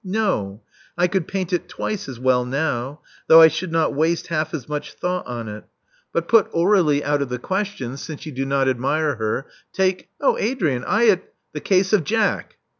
No: I could paint it twice as well now, though I should not waste half as much thought on it. But put Aur^lie Love Among the Artists 387 out of the question, since you do not admire her. Take *' 0h, Adrian, I ad "— the case of Jack.